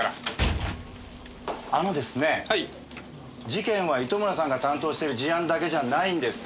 事件は糸村さんが担当している事案だけじゃないんです。